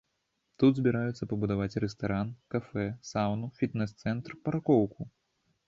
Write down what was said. Тут збіраюцца пабудаваць рэстаран, кафэ, саўну, фітнес-цэнтр, паркоўку.